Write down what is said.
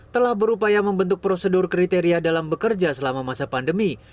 telah berupaya membentuk prosedur kriteria dalam bekerja selama masa pandemi